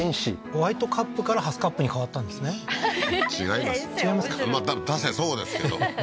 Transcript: ホワイトカップからハスカップに変わったんですねははははっ違います